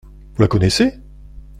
Vous la connaissez ?